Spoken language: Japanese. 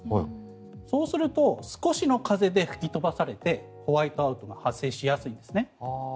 そうすると少しの風で雪が吹き飛ばされてホワイトアウトが発生しやすいんですね。